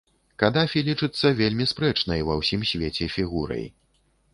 Кадафі лічыцца вельмі спрэчнай ва ўсім свеце фігурай.